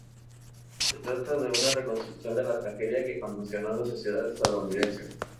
Se trata de una reconstrucción de la tragedia que conmocionó a la sociedad estadounidense.